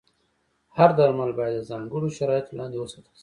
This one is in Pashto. هر درمل باید د ځانګړو شرایطو لاندې وساتل شي.